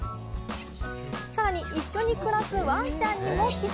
さらに一緒に暮らすわんちゃんにもキス。